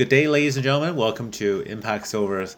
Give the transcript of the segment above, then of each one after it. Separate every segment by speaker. Speaker 1: Good day, ladies and gentlemen. Welcome to IMPACT Silver's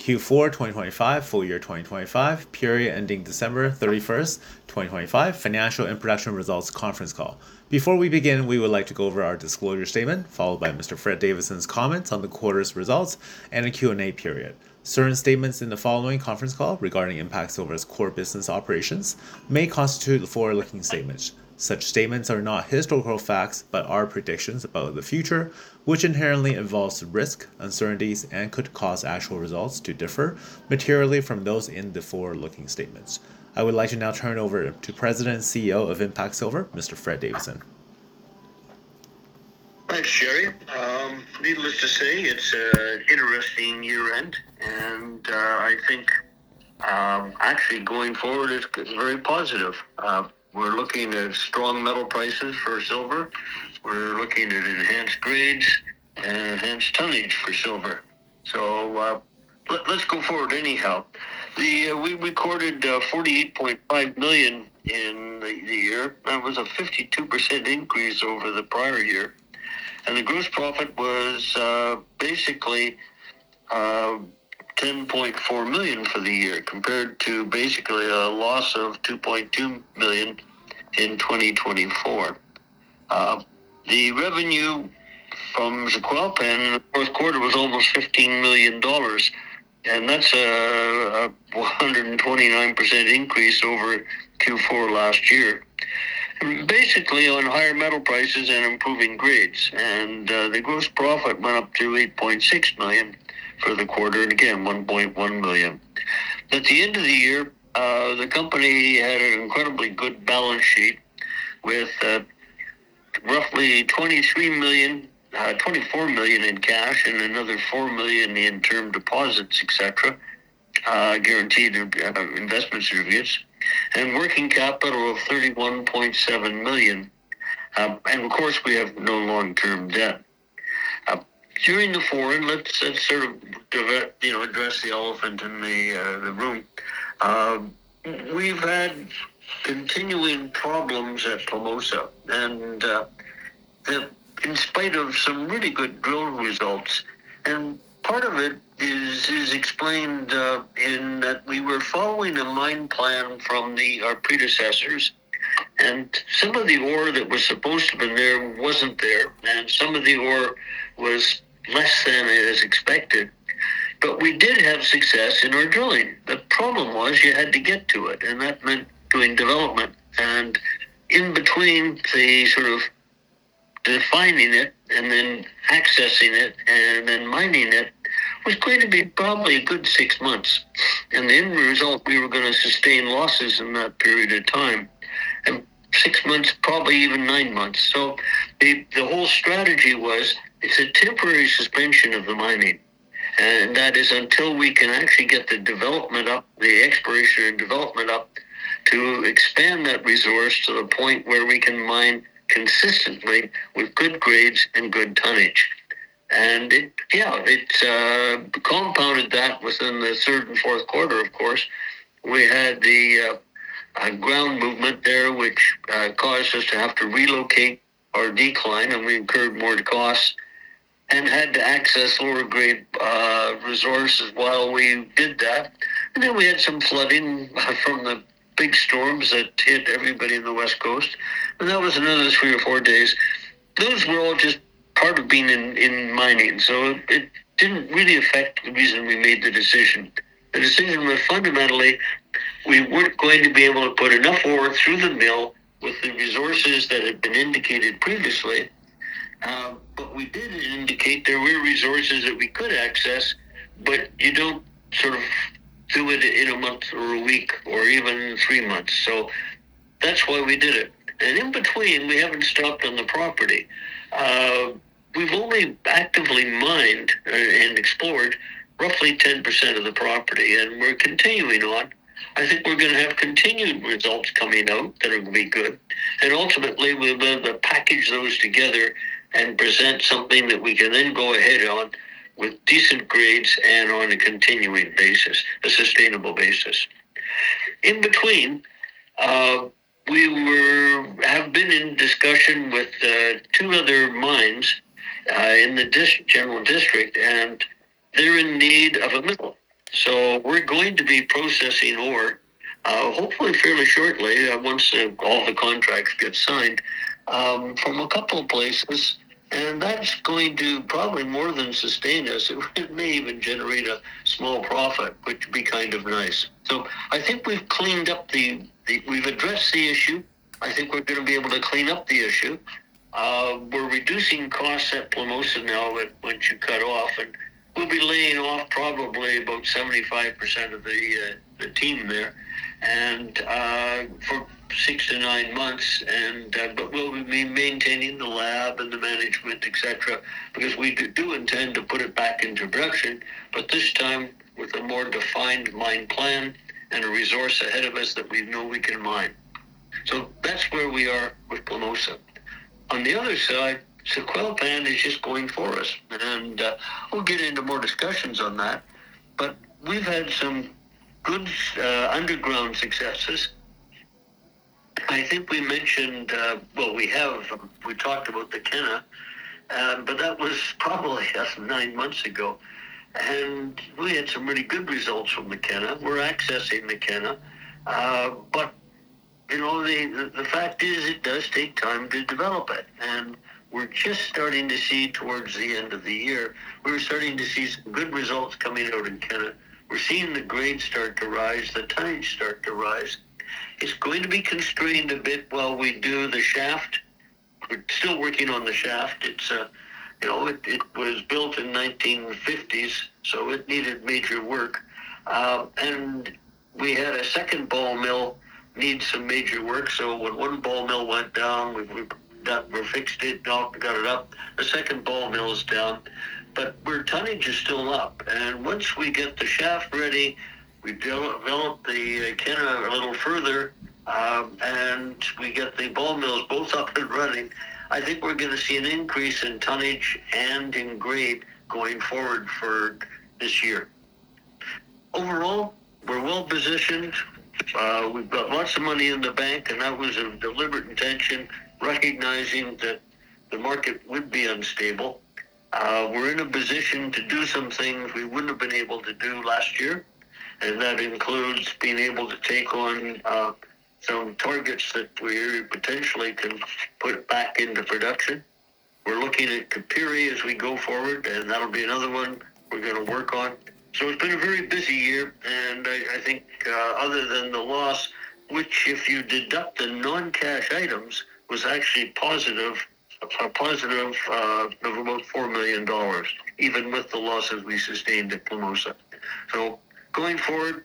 Speaker 1: Q4 2025, full year 2025, period ending December 31st, 2025, financial and production results conference call. Before we begin, we would like to go over our disclosure statement, followed by Mr. Fred Davidson's comments on the quarter's results and a Q&A period. Certain statements in the following conference call regarding IMPACT Silver's core business operations may constitute forward-looking statements. Such statements are not historical facts, but are predictions about the future, which inherently involves risk, uncertainties and could cause actual results to differ materially from those in the forward-looking statements. I would like to now turn it over to President and CEO of IMPACT Silver, Mr. Fred Davidson.
Speaker 2: Thanks, Jerry. Needless to say, it's an interesting year-end and I think actually going forward is very positive. We're looking at strong metal prices for silver. We're looking at enhanced grades and enhanced tonnage for silver. Let's go forward anyhow. We recorded $48.5 million in the year. That was a 52% increase over the prior year and the gross profit was basically $10.4 million for the year compared to basically a loss of $2.2 million in 2024. The revenue from the Zacualpan in the fourth quarter was almost $15 million and that's a 129% increase over Q4 last year, basically on higher metal prices and improving grades. The gross profit went up to $8.6 million for the quarter and again, $1.1 million. At the end of the year, the company had an incredibly good balance sheet with roughly $24 million in cash and another $4 million in term deposits, et cetera, guaranteed investment certificates and working capital of $31.7 million. Of course, we have no long-term debt. During the forum, let's address the elephant in the room. We've had continuing problems at Plomosas and in spite of some really good drill results. Part of it is explained in that we were following a mine plan from our predecessors and some of the ore that was supposed to be there wasn't there and some of the ore was less than is expected. We did have success in our drilling. The problem was you had to get to it and that meant doing development and in between the sort of defining it and then accessing it and then mining it was going to be probably a good six months. The end result, we were going to sustain losses in that period of time and six months, probably even nine months. The whole strategy was it's a temporary suspension of the mining and that is until we can actually get the exploration and development up to expand that resource to the point where we can mine consistently with good grades and good tonnage. It compounded that within the third and fourth quarter, of course. We had the ground movement there, which caused us to have to relocate our decline and we incurred more costs and had to access lower grade resources while we did that. We had some flooding from the big storms that hit everybody in the West Coast. That was another three or four days. Those were all just part of being in mining. It didn't really affect the reason we made the decision. The decision was fundamentally we weren't going to be able to put enough ore through the mill with the resources that had been indicated previously. We did indicate there were resources that we could access, but you don't do it in a month or a week or even three months. That's why we did it. In between, we haven't stopped on the property. We've only actively mined and explored roughly 10% of the property and we're continuing on. I think we're going to have continued results coming out that are going to be good and ultimately we'll be able to package those together and present something that we can then go ahead on with decent grades and on a continuing basis, a sustainable basis. In between, we have been in discussion with two other mines in the general district and they're in need of a mill. We're going to be processing ore, hopefully fairly shortly, once all the contracts get signed, from a couple of places. That's going to probably more than sustain us. It may even generate a small profit, which would be nice. I think we've addressed the issue. I think we're going to be able to clean up the issue. We're reducing costs at Plomosas and we'll be laying off probably about 75% of the team there for six-nine months. We'll be maintaining the lab and the management, et cetera, because we do intend to put it back into production, but this time with a more defined mine plan and a resource ahead of us that we know we can mine. That's where we are with Plomosas. On the other side, Zacualpan is just going for us and we'll get into more discussions on that. We've had some good underground successes. I think we mentioned well, we have. We talked about the Kena, but that was probably nine months ago and we had some really good results from the Kena. We're accessing the Kena, but the fact is it does take time to develop it. We're just starting to see towards the end of the year, we were starting to see some good results coming out in Kena. We're seeing the grades start to rise, the tonnage start to rise. It's going to be constrained a bit while we do the shaft. We're still working on the shaft. It was built in the 1950s, so it needed major work. We had a second ball mill needed some major work. So when one ball mill went down, we fixed it, got it up. The second ball mill is down, but our tonnage is still up. Once we get the shaft ready, we develop the Kena a little further and we get the ball mills both up and running. I think we're going to see an increase in tonnage and in grade going forward for this year. Overall, we're well-positioned. We've got lots of money in the bank and that was a deliberate intention, recognizing that the market would be unstable. We're in a position to do some things we wouldn't have been able to do last year and that includes being able to take on some targets that we potentially can put back into production. We're looking at Capire as we go forward and that'll be another one we're going to work on. It's been a very busy year and I think other than the loss, which, if you deduct the non-cash items, was actually positive of about $4 million, even with the losses we sustained at Plomosas. Going forward,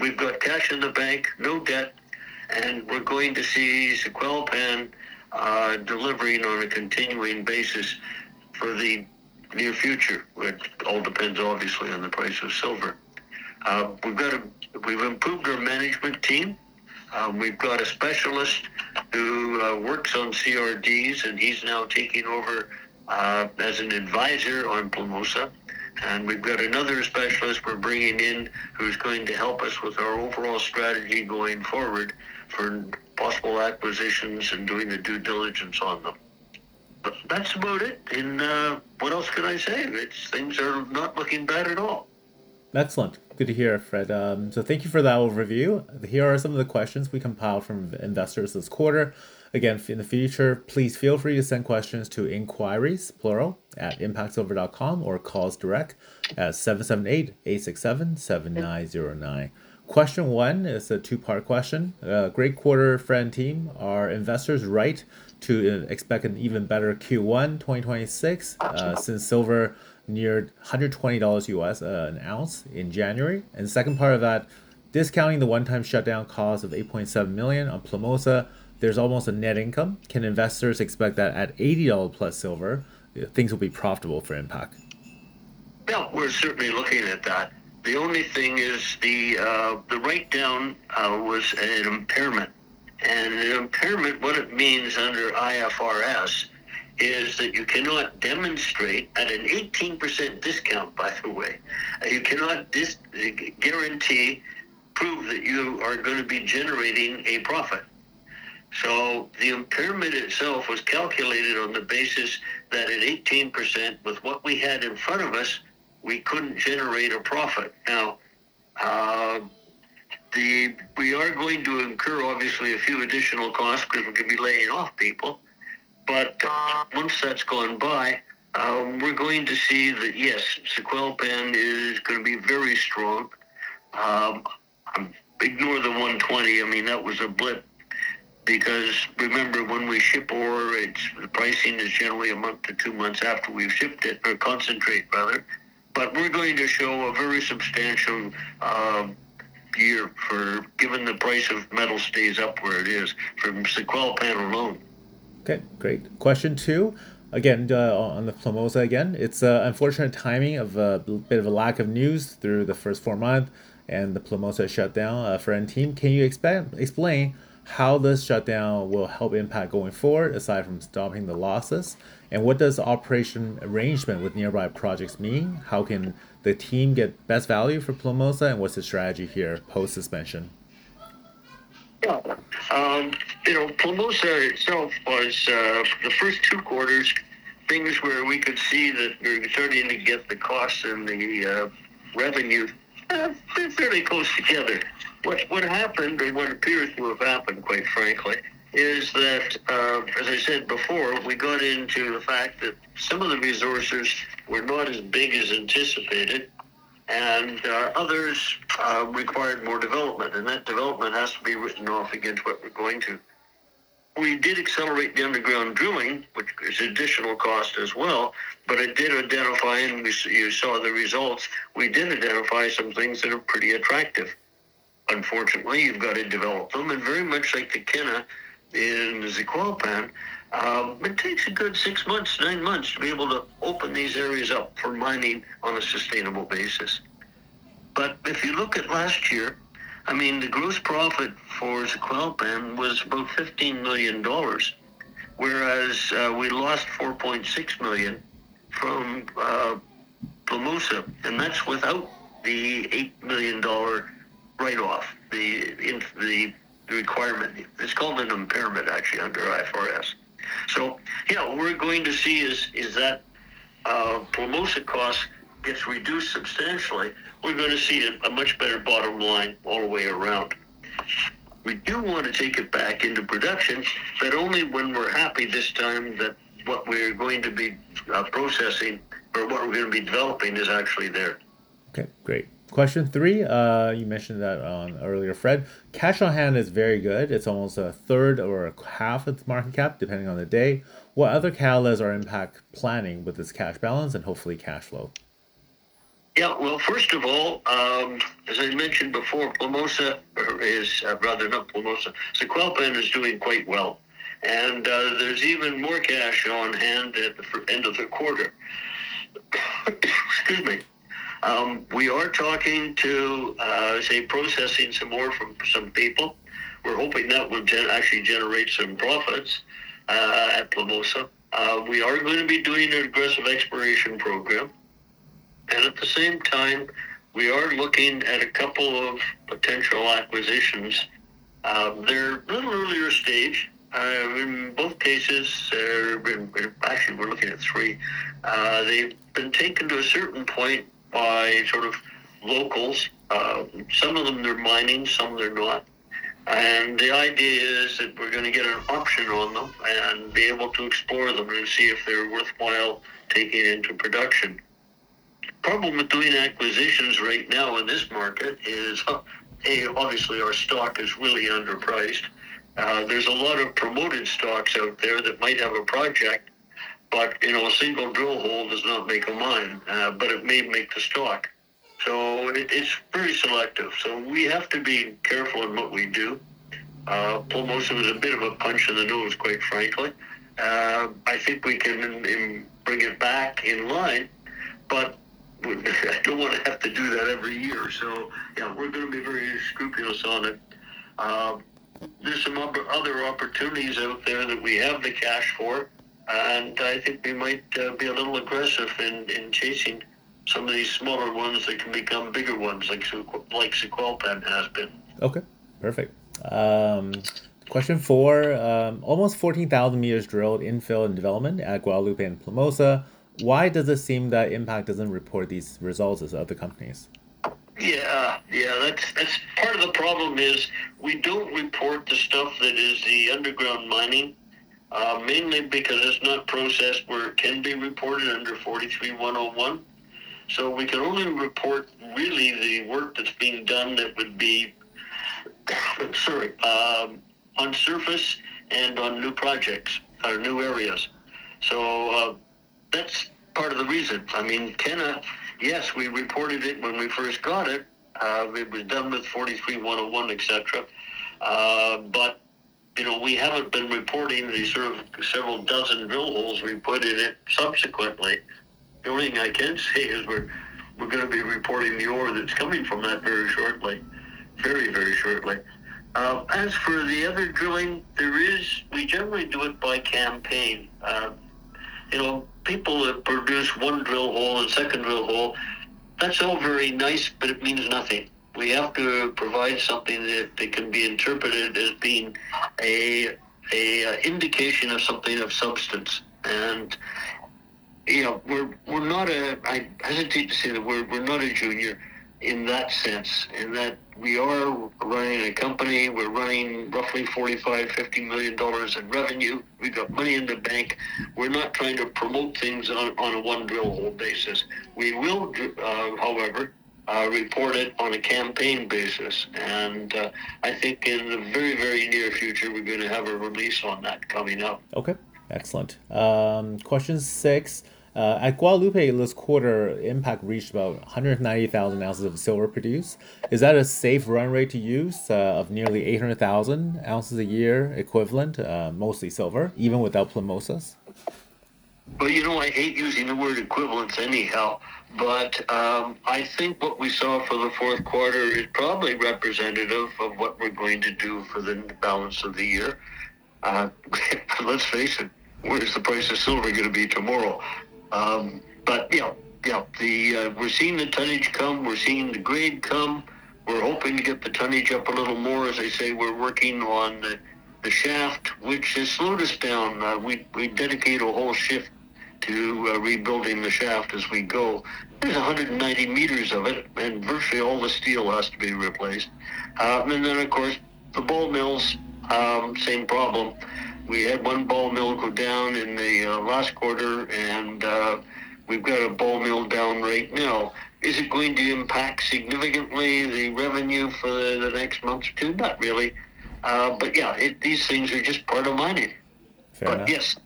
Speaker 2: we've got cash in the bank, no debt and we're going to see Zacualpan delivering on a continuing basis for the near future, which all depends, obviously, on the price of silver. We've improved our management team. We've got a specialist who works on CRDs and he's now taking over as an advisor on Plomosas. We've got another specialist we're bringing in who's going to help us with our overall strategy going forward for possible acquisitions and doing the due diligence on them. That's about it. What else can I say? Things are not looking bad at all.
Speaker 1: Excellent. Good to hear, Fred. Thank you for that overview. Here are some of the questions we compiled from investors this quarter. Again, in the future, please feel free to send questions to inquiries, plural, at impactsilver.com or call us direct at. Question one is a two-part question. Great quarter, Fred and team. Are investors right to expect an even better Q1 2026 since silver neared $120 U.S. an ounce in January? And the second part of that, discounting the one-time shutdown cost of $8.7 million on Plomosas, there's almost a net income. Can investors expect that at $80+ silver, things will be profitable for IMPACT?
Speaker 2: Yeah, we're certainly looking at that. The only thing is the write-down was an impairment. An impairment, what it means under IFRS is that you cannot demonstrate at an 18% discount, by the way. You cannot guarantee, prove that you are going to be generating a profit. The impairment itself was calculated on the basis that at 18%, with what we had in front of us, we couldn't generate a profit. Now, we are going to incur, obviously, a few additional costs because we're going to be laying off people. Once that's gone by, we're going to see that, yes, Zacualpan is going to be very strong. Ignore the 120. That was a blip, because remember, when we ship ore, the pricing is generally a month to two months after we've shipped it, or concentrate, rather. We're going to show a very substantial year given the price of metal stays up where it is from Zacualpan alone.
Speaker 1: Okay, great. Question two, again, on the Plomosas again. It's unfortunate timing of a bit of a lack of news through the first four months and the Plomosas shutdown. Fred and team, can you explain how this shutdown will help IMPACT going forward, aside from stopping the losses? And what does operation arrangement with nearby projects mean? How can the team get best value for Plomosas and what's the strategy here post-suspension?
Speaker 2: Yeah. Plomosas itself was the first two quarters, things where we could see that we were starting to get the costs and the revenue very close together. What happened and what appears to have happened, quite frankly, is that as I said before, we got into the fact that some of the resources were not as big as anticipated and others required more development and that development has to be written off against what we're going to. We did accelerate the underground drilling, which is additional cost as well, but it did identify and you saw the results. We did identify some things that are pretty attractive. Unfortunately, you've got to develop them and very much like the Kena and Zacualpan. It takes a good six months, nine months to be able to open these areas up for mining on a sustainable basis. If you look at last year, the gross profit for Zacualpan was about $15 million. We lost $4.6 million from Plomosas and that's without the $8 million write-off. It's called an impairment actually under IFRS. Yeah, what we're going to see is that Plomosas cost gets reduced substantially. We're going to see a much better bottom line all the way around. We do want to take it back into production, but only when we're happy this time that what we're going to be processing or what we're going to be developing is actually there.
Speaker 1: Okay, great. Question three, you mentioned that earlier, Fred. Cash on hand is very good. It's almost a third or a half its market cap, depending on the day. What other catalysts are IMPACT planning with this cash balance and hopefully cash flow?
Speaker 2: Yeah. Well, first of all, as I mentioned before, Zacualpan is doing quite well and there's even more cash on hand at the end of the quarter. Excuse me. We are talking to, say, processing some more from some people. We're hoping that will actually generate some profits at Plomosas. We are going to be doing an aggressive exploration program and at the same time, we are looking at a couple of potential acquisitions. They're a little earlier stage. In both cases, actually, we're looking at three. They've been taken to a certain point by sort of locals. Some of them they're mining, some they're not. The idea is that we're going to get an option on them and be able to explore them and see if they're worthwhile taking into production. Problem with doing acquisitions right now in this market is, A, obviously, our stock is really underpriced. There's a lot of promoted stocks out there that might have a project, but a single drill hole does not make a mine. It may make the stock. It is very selective. We have to be careful in what we do. Plomosas was a bit of a punch in the nose, quite frankly. I think we can bring it back in line, but I don't want to have to do that every year. Yeah, we're going to be very scrupulous on it. There's some other opportunities out there that we have the cash for and I think we might be a little aggressive in chasing some of these smaller ones that can become bigger ones like Zacualpan has been.
Speaker 1: Okay, perfect. Question four. Almost 14,000 meters drilled infill and development at Guadalupe and Plomosas. Why does it seem that IMPACT doesn't report these results as other companies?
Speaker 2: Yeah. Part of the problem is we don't report the stuff that is the underground mining, mainly because it's not processed where it can be reported under 43-101. We can only report really the work that's being done that would be, sorry, on surface and on new projects or new areas. That's part of the reason. I mean, Kena, yes, we reported it when we first got it. It was done with 43-101, et cetera. We haven't been reporting the sort of several dozen drill holes we put in it subsequently. The only thing I can say is we're going to be reporting the ore that's coming from that very shortly. Very shortly. As for the other drilling there is, we generally do it by campaign. People have produced one drill hole and second drill hole. That's all very nice, but it means nothing. We have to provide something that can be interpreted as being an indication of something of substance. We're not a, I hesitate to say that we're not a junior in that sense, in that we are running a company. We're running roughly $45 million-$50 million in revenue. We've got money in the bank. We're not trying to promote things on a one drill hole basis. We will, however, report it on a campaign basis and I think in the very near future, we're going to have a release on that coming up.
Speaker 1: Okay. Excellent. Question six. At Guadalupe this quarter, IMPACT reached about 190,000 ounces of silver produced. Is that a safe run rate to use of nearly 800,000 ounces a year equivalent, mostly silver, even without Plomosas?
Speaker 2: Well, I hate using the word equivalence anyhow. I think what we saw for the fourth quarter is probably representative of what we're going to do for the balance of the year. Let's face it, where is the price of silver going to be tomorrow? Yeah. We're seeing the tonnage come. We're seeing the grade come. We're hoping to get the tonnage up a little more. As I say, we're working on the shaft, which has slowed us down. We dedicate a whole shift to rebuilding the shaft as we go. There's 190 meters of it and virtually all the steel has to be replaced. Then, of course, the ball mills, same problem. We had one ball mill go down in the last quarter and we've got a ball mill down right now. Is it going to impact significantly the revenue for the next months to come? Not really. Yeah, these things are just part of mining.
Speaker 1: Fair enough.
Speaker 2: Yes.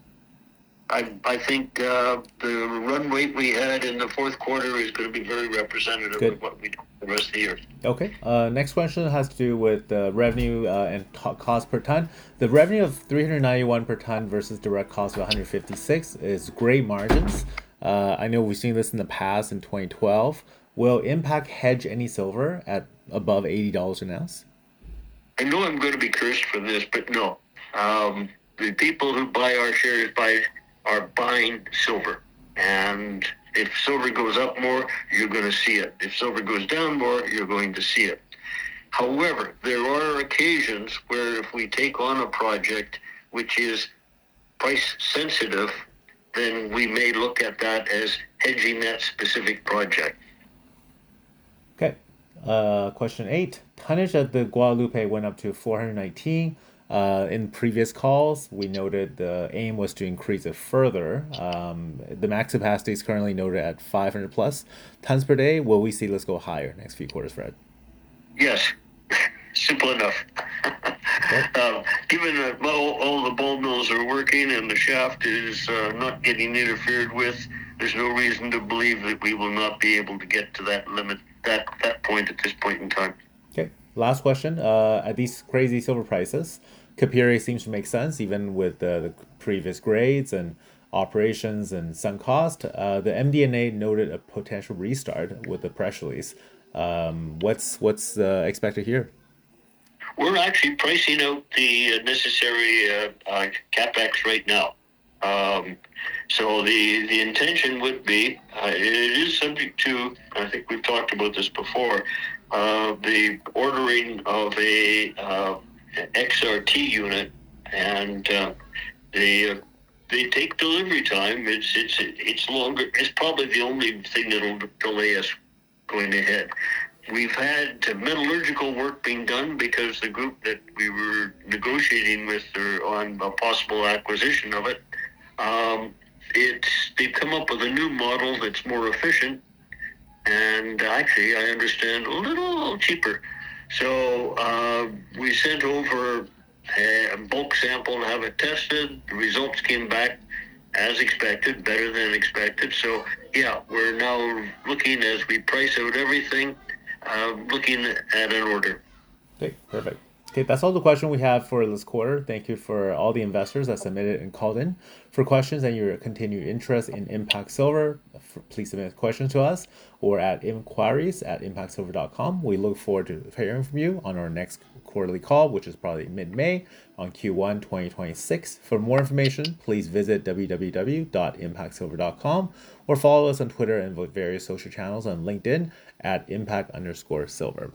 Speaker 2: I think the run rate we had in the fourth quarter is going to be very representative.
Speaker 1: Good. Okay. Next question has to do with revenue and cost per ton. The revenue of $391 per ton versus direct cost of $156 is great margins. I know we've seen this in the past, in 2012. Will IMPACT hedge any silver at above $80 an ounce?
Speaker 2: I know I'm going to be cursed for this, but no. The people who buy our shares are buying silver and if silver goes up more, you're going to see it. If silver goes down more, you're going to see it. However, there are occasions where if we take on a project which is price sensitive, then we may look at that as hedging that specific project.
Speaker 1: Okay. Question eight. Tonnage at the Guadalupe went up to 419. In previous calls, we noted the aim was to increase it further. The max capacity is currently noted at 500+ tons per day. Will we see this go higher next few quarters, Fred?
Speaker 2: Yes. Simple enough. Given that all the ball mills are working and the shaft is not getting interfered with, there's no reason to believe that we will not be able to get to that limit, that point at this point in time.
Speaker 1: Okay. Last question. At these crazy silver prices, Capire seems to make sense even with the previous grades and operations and some cost. The MD&A noted a potential restart with the press release. What's expected here?
Speaker 2: We're actually pricing out the necessary CapEx right now. The intention would be, it is subject to, I think we've talked about this before, the ordering of a XRT unit and they take delivery time. It's longer. It's probably the only thing that'll delay us going ahead. We've had metallurgical work being done because the group that we were negotiating with on a possible acquisition of it, they've come up with a new model that's more efficient and actually, I understand, a little cheaper. We sent over a bulk sample to have it tested. The results came back as expected, better than expected. Yeah, we're now looking as we price out everything, looking at an order.
Speaker 1: Okay, perfect. Okay, that's all the question we have for this quarter. Thank you for all the investors that submitted and called in for questions and your continued interest in IMPACT Silver. Please submit questions to us or at inquiries@impactsilver.com. We look forward to hearing from you on our next quarterly call, which is probably mid-May on Q1 2026. For more information, please visit www.impactsilver.com or follow us on Twitter and various social channels on LinkedIn at IMPACT_Silver.